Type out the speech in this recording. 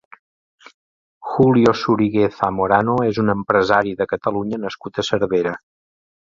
Julio Sorigué Zamorano és un empresari de Catalunya nascut a Cervera.